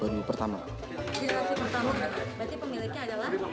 inspirasi pertama berarti pemiliknya adalah